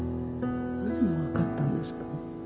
何が分かったんですか？